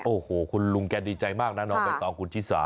โอ้โหคุณลุงแกดีใจมากนะน้องใบตองคุณชิสา